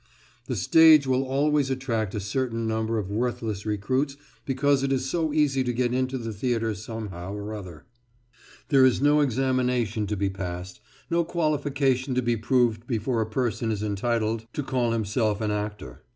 The stage will always attract a certain number of worthless recruits because it is so easy to get into the theatre somehow or other; there is no examination to be passed, no qualification to be proved before a person is entitled to call himself an actor.